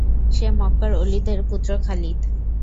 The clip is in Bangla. সে মক্কার ওলীদের পুত্র খালিদ।